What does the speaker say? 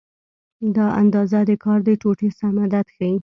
دا اندازه د کار د ټوټې سم عدد ښیي.